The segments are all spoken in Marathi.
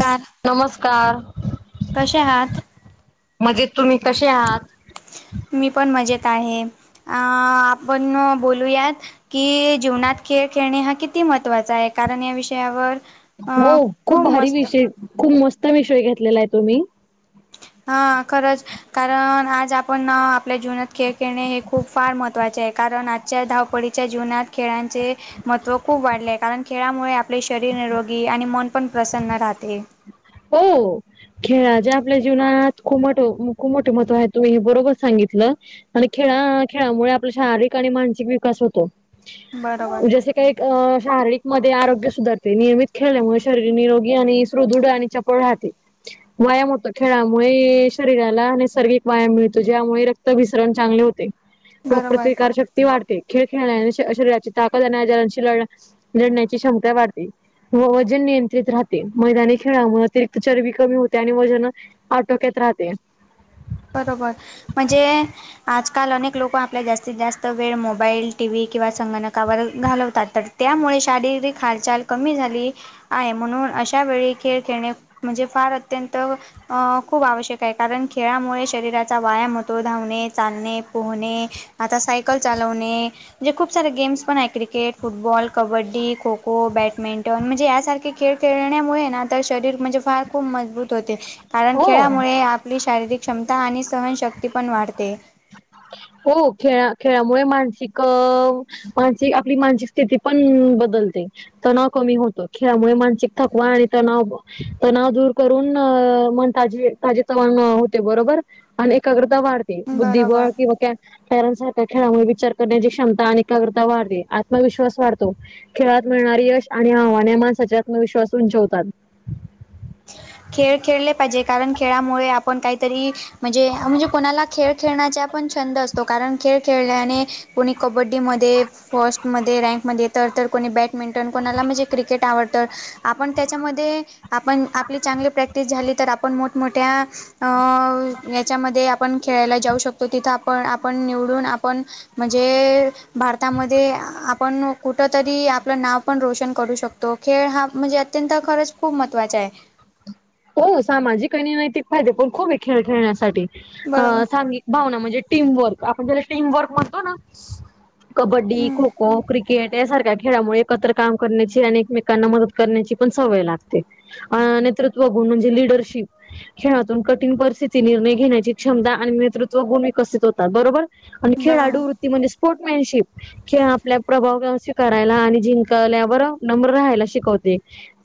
का नमस्कार म्हजे तुम्ही कसे आहात मी पण मजेत आहे अ आपण बोलूयात कि जीवनात खेळ खेळणे हा किती महत्त्वाचा आहे कारण या विषयावर अ हो खूप भारी विषय खूप मस्त विषय घेतलेला आहे तुम्ही हा खरंच कारण आज आपण आपल्या जीवनात खेळ खेळणे हे खूप फार महत्त्वाचे आहे कारण आजच्या धाव पळीच्या जीवनात खेळांचे महत्त्व खूप वाढले आहे कारण खेळामुळे आपले शरीर निरोगी आणि मन पण प्रसन्न राहते हो खेळा जे आपल्या जीवनात खू मोठ खू मोठे महत्व आहे तुम्ही हे बरोबर सांगितलं आणि खेळा खेळामुळे आपला शारीरिक आणि मानसिक विकास होतो बरोबर जसे काही अ शारीरिक मध्ये आरोग्य सुधारते नियमित खेळल्यामुळे शरीर निरोगी आणि सुदृढ आणि चपळ राहते व्यायाम होत खेळामुळे शरीराला नैसर्गिक व्यायाम मिळतो ज्यामुळे रक्त विसरण चांगले होते बरोबर रोगप्रतिकार शक्ती वाढते खेळ खेळण्याने शरीराची ताकदण्या जांशी लढ लढण्याची क्षमता वाढते व वजन नियंत्रित राहते मैदानी खेळामुळे रिक्चरबी कमी होते आणि वजन आटोक्यात राहते बरोबर म्हणजे आजकाल अनेक लोक आपल्या जास्तीत जास्त वेळ मोबाईल टीव्ही किंवा संगणकावर घालवतात तर त्यामुळे शारीरिक हालचाल कमी झाली आहे म्हणून अशा वेळी खेळ खेळणे म्हणजे फार अत्यंत अ खूप आवश्यक आहे कारण खेळा मुळे शरीराचा व्यायाम होतो धावणे चालणे पोहणे आता सायकल चालवणे म्हणजे खूप सारे गेम्स पण आहे cricket football kabaddi kho kho badminton म्हणजे यासारखे खेळ खेळण्यामुळे ना तर शरीर म्हणजे फार खूप मजबूत होते कारण हो. खेळामुळे आपली शारीरिक क्षमता आणि सहनशक्ती पण वाढते हो खेळा खेळामुळे मानसिक मानस आपली मानसिक स्थिती पण बदलते तणाव कमी होतो खेळामुळे मानसिक थकवा आणि तणाव तणाव दूर करून अ े तजे च होते बरोबर आणि एकाग्रता वाढते बरोबर बुद्धिबळ किंवा पॅरेंट्स सारख्या खेळामुळे विचार करण्याची क्षमता आणि काग्रता वाढते आत्मविश्वास वाढतो खेळात मिळणारे यश आणि आव्हाने माणसाचे आत्मविश्वास उंचवतात खेळ खेळले पाहिजे कारण खेळामुळे आपण काहीतरी म्हणजे म्हणजे कोणाला खेळ खेळण्याचा पण छंद असतो कारण खेळ खेळल्याने कोणी कबड्डी म फर्स्टमध्ये रँकमध्ये तर तर कोणी बॅट बॅटमिंटन कोणाला म्हणजे क्रिकेट आवडत आपण त्याच्यामध्ये आपण आपली चांगली प्रॅक्टिस झाली तर आपण मोठमोठ्या अ याच्यामध्ये आपण खेळायला जाऊ शकतो तिथं आपण आपण निवडून आपण म्हणजे भारतामध्ये आपण कुठ तरी आपलं नाव पण रोशन करू शकतो तो खेळ हा म्हणजे अत्यंत खरंच खूप महत्त्वाचा आहे हो सामाजिक आणि आणि नैतिक फाये पण खूप आहे खेळ खेळण्यासाठी बरोबर भावना म्हणजे टीमवर्क आपण ज्याला टीमवर्क म्हणतो ना कबड्डी हम्म खो खो क्रिके किट यासारख्या खेळामुळे एकत्र काम करण्याची आणि एकमेकांना मदत करण्याची पण सवय लागते अ नेतृत्व गुण म्हणजे लिडरशिप खेळातून कठीण परिस्थिती निर्णय घेण्याची क्षमता आणि नेतृत्व गुण् कसित होतात बरोबर आणि बरोबर. खेळाडूवृत्ती म्हणजे स्पोर्टमॅनशिप खिळ आपल्या प्रभाव स्वीकारायला आणि जिंकल्यावर नम्र राहायला शिकवते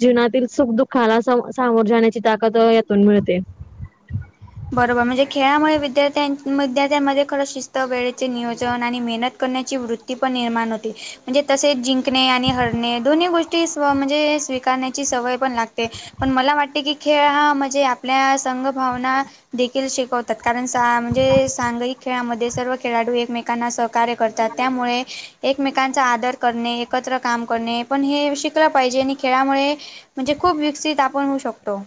जीवनातील सुख दुःखाला सामोर जाण्याची ताकद यातून मिळते बरोबर म्हणजे खेळामुळे विद्यार्थ्यां विद्यार्थ्यांमध्ये खरं शिस्त वेळेचे नियोजन आणि मेहनत करण्याची वृत्ती पण निर्माण होती म्हणजे तसे जिंकणे आणि हरणे दोन्ही गोष्टी म्हणजे स्वीण्या सवय पण लागते पण मला वाटते की खेळ हा म्हणजे आपल्या संघभवना देखील शिकवतात कारण म्हणजे सांघयिक खेळामध्ये सर्व खेळाडू एकमेक सकार्य करतात त्यामुळे एकमेकांचा आदर करणे एकत्र काम कर आपण हे शिकलं पाहिजे आणि खेळामुळे म्हणजे खूप विकसित आपण होऊ शकतो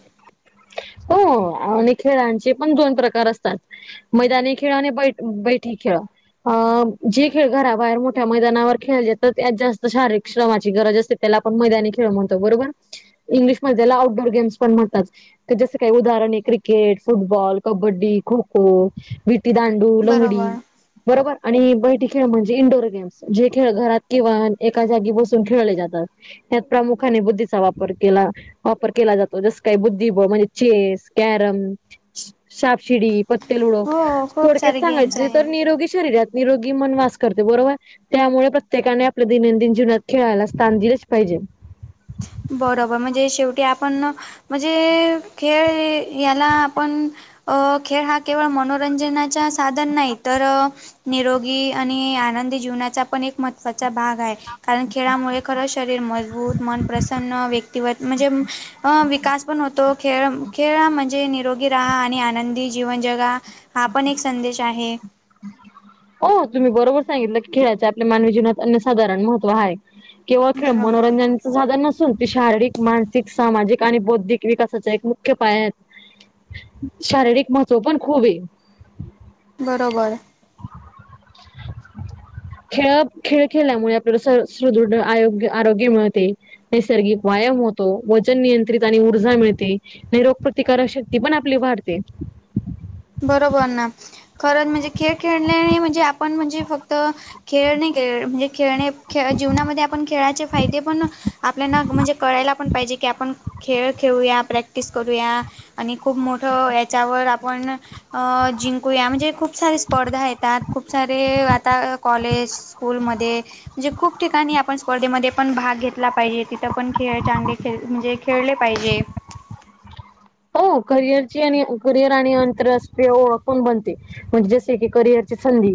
हो आणि खेळांचे पण दोन प्रकार असतात मैदानी खेळ आणिै बैठी खेळ अ जे खेळ घराबाहेर मोठ्या मैदानावर खेळचेात त्यात जास्त शारीरिक श्रमाची गरज असते त्याला आपण मैदानी खेळ म्हणतो बरोबर इंग्लिशमध्येध्ये त्याला आउटडोर गेम्स पण म्हणतात जस काही उदाहरण आहे क्रिकेट फुटबॉल कबड्डी खो खो विटी दांड डू लंगडी बरोबर. बरोबर आणि बैठी खेळ म्हणजे इंडोर गेम् जे खेळ घरात किंवा एका जागी बसून खेळले जात प्रख बुद्धीचाप वापर केला जातो जस का बु चेस कॅरम साप सिडी ते लुडो हो खूप थोडक्यास सारे गेम्स सांगायचे आहे तर निरोगी शरीरात निरोगी मनवास करते बरोबर त्यामुळे प्रत्येकाने आपल्या दैनंदिन जीवनात खेळायला स्थान दिलंच पाहिजे बरोबर म्हणजे शेवटी आपण म्हणजे खेळ याला आपण अ खेळ हा केवळ मनोरंजनाचा साधन नाही तर निरोगी आणि आनंदी जीवनाचा पण एकत महवाचा भाग आहे कारण खेळामुळे खरं शरीर मजबूत मन प्रसन्न व्यक्तिवत म्हणजे विकास पण होतो खेळ खेळ म्हणजे निरोगी राहा आणि आनंदी जीवन जगा हा पण एक संदेश आहे हो तुम्ही बरोबर सांगितलं की खेळाचे आपल्या मानवी जीवनात अन्यसाधारण महत्व आहे केव्हा खे बरोबर मनोरंजन साधन नसून ती शारीरिक मानसिक सामाजिक आणि बौद्धिक विकासाच्या एक मुख्य पाय आहेत शारीरिक महत्व पण खूप आहे बरोबर खेळ खेळ खेळल्यामुळे आपल्याला स सुदृढ आरोग्य आरोग्य मिळते नैसर्गिक व्यायाम होतो वजन नियंत्रित आणि ऊर्जा मिळते आणि रोग प्र्रतिकारकशक्ती पण आपली वाारते बरोबर ना खरंच म्हणजे खेळ खेळल्याने म्हणजे आपण म्हणजे फक्त खेळ नाही के म्हणजे खेळणे खेळ जीवनामध्ये आपण खेळाचे फायदे पण आपल्याना म्हणजे, कळायला पण पाहिजे की आपण खेळ खेळूया, प्रॅक्टिस करूया, आणि खूप मोठं याच्यावर आपण अ जिंकुया म्हणजे खूप सारे स्पर्धा येतात, खूप सारे आता कॉलेज, स्कूलमध्ये म्हणजे खूप ठिकाणी आपण स्पर्धेमध्ये पण भाग घेतला पाहिजे, तिथं पण खेळ, चांगले खेळ म्हणजे खेळले पाहिजे. हो करिअरची आणि करिअर, आणि आंतरराष्ट्रीय ओळख पण बनते. म्हणजे जसे की करिअरची संधी,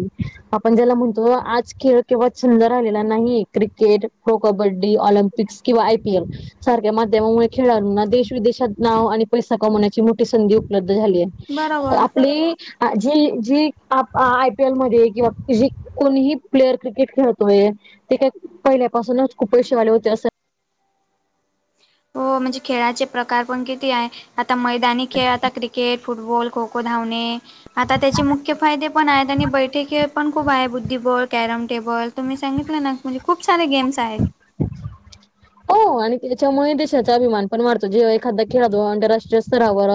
आपण ज्याला म्हणतो, आज खेळ केवळ छंद राहिलेला नाही. क्रिकेट, प्रो कबड्डी, ऑलिम्पिक्स, किंवा आयपीएल. सारख्या माध्यमामुळे खेळाडूना देश विदेशात नाव आणि पैसा कमवण्याची मोठी संधी उपलब्ध झाली आहे बरोबर आपली जी, जी आप आयपी एल मध्ये किंवा जी कोणीही प्लेयर क्रिकेट खेळतोय, ते काय पहिल्यापासूनच खूप पैसेेवाले होते असं हो म्हणजे खेळाचे प्रकार पण किती आहे, आता मैदानी खेळ आता क्रिकेट फुटबॉल, खो खो, धावणे, आता त्याचे मुख्य फायदे पण आहेत आणि बैठकीय पण खूप आहे बुद्धिबळ, कॅरम, टेबल, तुम्ही सांगितलं ना म्हणजे खूप सारे गेम्स आहेत. हो आणि त्याच्यामुळे देशाचा अभिमान पण वाढतो, जेवा एखादा खेळादु आंतरराष्ट्रीय स्तरावर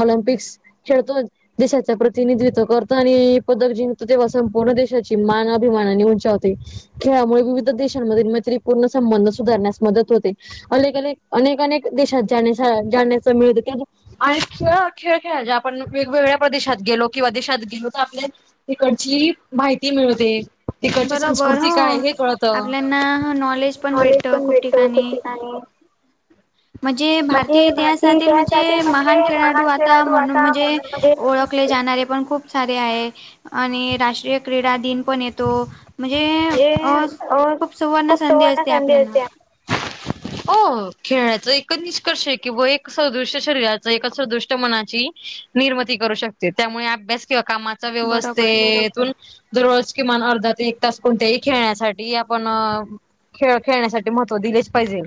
ऑलिम्पिक्स खेळतो देशाच प्रतिनिधित्व करतो, आणि पदक जिंकतो, तेव्हा संपूर्ण देशाची मान अभिमानाने उंचावते. खेळामुळे विविध देशांमध्ये मैत्रीपूर्ण संबंध सुधारण्यास मदत होते. अलेक अलेक, अनेक अनेक, देशात जाण्यासा जाण्याचा मिळत त्यां आजच खेळ खेळ, खेळायच आपण वेगवेगळ्या प्रदेशात गेलो, किंवा देशात गेलो, त आपले. तिकडची माहिती मिळते. तिकडची बरोबर संस्कृती हो, काय हे कळतं. आपल्याना नॉलेज पण भेटत खूप ठिकाणी. म्हणजे भारतीय इतिहासातील म्हणजे, महान खेळाडू, आता म्हनु म्हणजे ओळ खले जाणारे पण खूप सारे आहे, आणि राष्ट्रीय क्रीडा दिन पण येतो. म्हणजे अ खूप सुवर्ण संधी असते, आपल्याना. हो खेळाच एकच निष्कर्ष आहे, कि व एक सदृश शरीराच एका सदृष्ट मनाची. निर्मिती करू शकते, त्यामुळे अभ्यास किंवा कामात. चं बरोबर व्यवस्थेतुन दररोज किमान अर्धा ते एक. तास कोणत्यांही खेळण्यासाठी, आपण अ खेळ खेळण्यासाठी महत्त्व दिलेच पाहिजेल.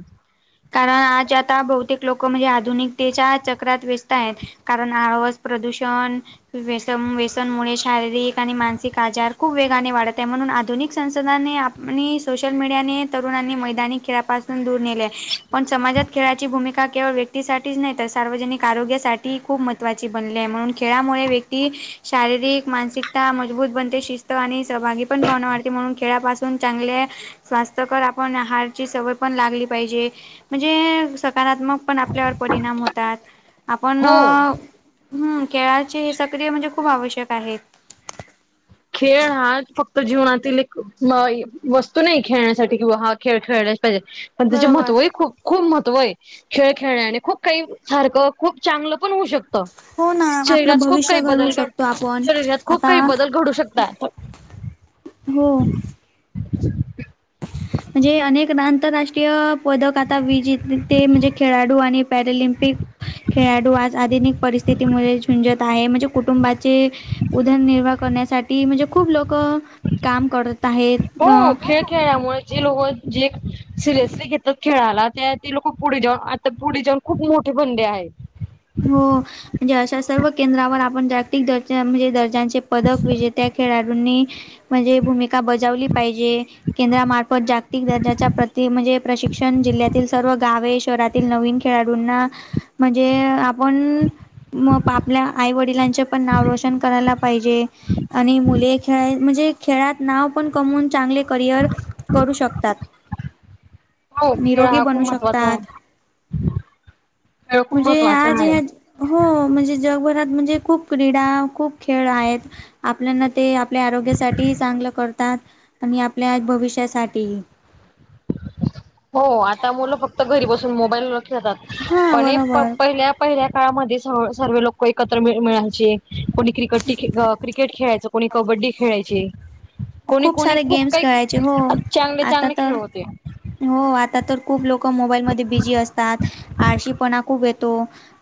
कारण आज आता बहुतेक लोक म्हणजे, आधुनिकतेच्या चक्रात व्यस्त आहेत. कारण आळवस प्रदूषण व्यसम व्यसनमुळे शारीरिक आणि मानसिक आजार खूप वेगाने वाढत आहे, म्हणून आधुनिक संसधाने आप आणि सोशल मीडियानि तरुणांनी मैदानी खेळापासून दूर नेले. पण समाजात खेळाची भूमिका केवळ व्य क्ती साठीच नाही तर सार्वजनिक आरोग्यासाठी खूप महत्वाची बनली आहे, म्हणून खेळामुळे व्यक्ती शारीरिक, मानसिकता मजबूत बनते, शिस्त आणि सहभागी पण भावना वाढते, म्हणून खेळापास चांगल्या स्वास्थ्य कर, आपण आहारची सवय पण लागली पाहिजे. म्हणजे सकारात्मक पण आपल्यावर परिणाम होतात, आपण हो हूं खेळाचे हे सक्रिय म्हणजे खूप आवश्यक आहे खेळ हा फक्त जीवनातील एक म वस्तू नाही खेळण्यासाठी किंवा हा खेळ खेळलाच पाहिजे. पण त्याचे बरोबर महत्वही खूप. खूप महत्त्व आहे, खेळ खेळण्याने खूप काही सारखं [unintelligible] खूप चांगलं पण होऊ शक हो ना आपलं शरीरात खूप भविष्य काही घडवू बदल घड, शकतो आपण शरीरात खूप आता काही बदल घडू शकता. हो! [inaudible] म्हणजे अनेक आंतरराष्ट्रीय पदक आता विजेते म्हणजे खेळाडू आणि पॅरालिम्पिक. खेळाडू, आज आधीनिक परिस्थिती मुळे झुंजत आहे म्हणजे कुटुंबाचे उधरनिर्वाह, करण्यासाठी म्हणजे खूप लोक काम करत आहेत हो अ खेळ खेळल्यामुळे जे लोक जे सिरियसली घेतात खेळाला त्या ते लोक पुढे जाऊन आता पुढे जाऊन खूप मोठे बनले आहेत. हो म्हणजे अशा सर्व केंद्रावर आपण ज दर्जा म्हणजे दर्जाचे पदक विजेत्या खेळाडूंनी म्हणजे भूमिका बजावली पाहिजे केंद्रामार्फत जागतिक दर्जाच्या प्रत म्हणजे प्रशिक्ष शण जिल्ह्यातील सर्व गावे शहरातील नवीन खेळाडूंना म्हणजे आ आपण मग आपल्या आई वडिलांचे पण नाव रोशन करायला पाहिजे. आणि मुले खेळा म्हणजे खेळात नाव पण कमवून चांगले करिअर करू शकतात. हो खेळ निरोगी हा खूप बनू महत्त्वाचा शकतात, आहे खेळ खूप म्हणजे आज महत्त्वाचा आहे ह्या हो म्हणजे जगभरात म्हणजे खूप क्रीडा खूप खेळ आहेत. आपल्याना ते आपल्या आरोग्यासाठीही चांगलं करतात आणि आपल्या भविष्यासाठी. हो आता मुलं फक्त घरी बसून मोबाईलेतात हा पण बरोबर पहिल्या पहिल्या काळामध्ये स सर्व लोक एकत्र मिळायचे कोणी क्रिकेट क क्रिकेट खेळायचं, कोणी कबड्डी खेळायचे. कोणी कोणी सारे खूप गेम्स खेळायचे हो काही चांगले आता चांगले खेळ तर होते. हो आता तर खूप लोक मोबाईलमध्ये बिझी असतात, आळशीपणा खूप येतो.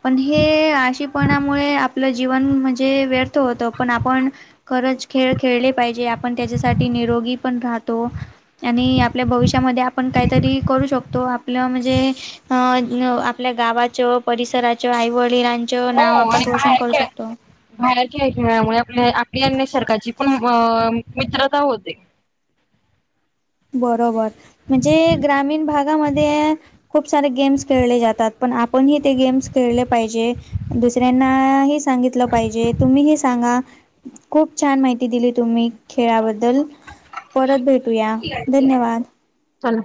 पण हे आळशी पणामुळे आपलं जीवन म्हणजे व्यर्थ होत पण आपण खरंच खेळ खेळले पाहिजे. पण त्याच्यासाठी निरोगी पण राहतो. आणि आपल्या भविष्यामध्ये आपण काहीतरी करू शकतो आपलं म्हणजे अ आपल्या गावाच परिसराच्या आई वडिलां च नाव हो आपण आणि रोशन बाहेर करू खेळ शकतो. बाहेर खेयमुळे आपल्या आपली आणि सरकाची पण मित्रता होते. बरोबर म्हणजे ग्रामीण भागामध्ये खूप सारे गेम्स खेळले जातात पण आपणही ते गेम्स खेळले पाहिजे. दुसऱ्यांनाही सांगितलं पाहिजे तुम्ही सांगा. खूप छान माहिती दिली तुम्ही खेळाबद्दल परत भेटूया. धन्यवाद. चला.